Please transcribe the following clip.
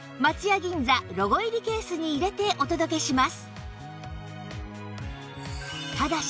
銀座ロゴ入りケースに入れてお届けします